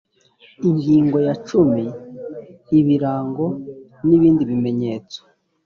ingingo ya cumi ibirango n ibindi bimenyetso